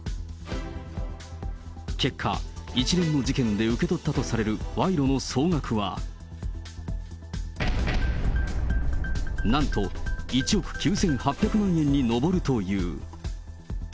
結果、一連の事件で受け取ったとされる賄賂の総額は、なんと１億９８００万円に上るという。